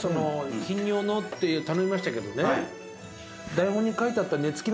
頻尿のって頼みましたけどね。